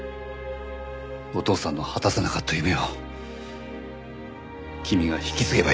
お父さんの果たせなかった夢を君が引き継げばいい。